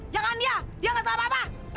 jangan dia dia gak usah lapa apa